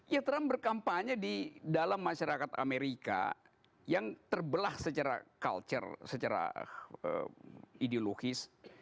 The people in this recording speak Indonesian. ya trump berkampanye di dalam masyarakat amerika yang terbelah secara culture secara ideologis